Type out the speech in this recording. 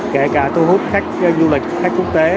kể cả thu hút khách du lịch khách quốc tế